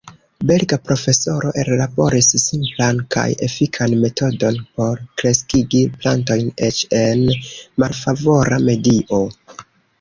Belga profesoro ellaboris simplan kaj efikan metodon por kreskigi plantojn eĉ en malfavora medio.